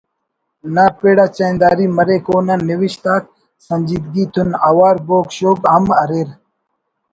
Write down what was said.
نا پڑ آ چاہندار مریک اونا نوشت آک سنجیدگی تون اوار بوگ شوگ ہم اریر